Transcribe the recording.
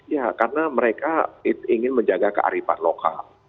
ya karena mereka ingin menjaga kearifan lokal